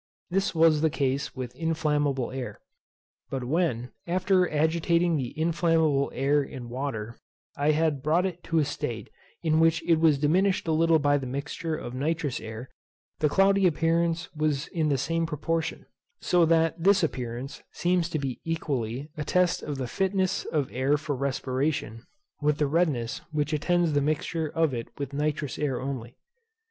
This was the case with inflammable air. But when, after agitating the inflammable air in water, I had brought it to a state in which it was diminished a little by the mixture of nitrous air, the cloudy appearance was in the same proportion; so that this appearance seems to be equally a test of the fitness of air for respiration, with the redness which attends the mixture of it with nitrous air only.